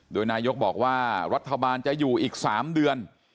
โดยนายกบอกว่ารัฐบาลจะอยู่อีก๓เดือน